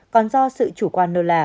còn do sự chủ quan lơ là